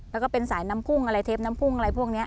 แล้วก็เป็นสายน้ำพุ่งอะไรเทปน้ำพุ่งอะไรพวกนี้